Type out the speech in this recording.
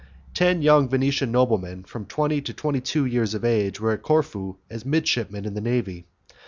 Ten young Venetian noblemen, from twenty to twenty two years of age, were at Corfu as midshipmen in the navy.